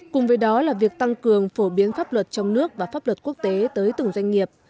cùng với đó là việc tăng cường phổ biến pháp luật trong nước và pháp luật quốc tế tới từng doanh nghiệp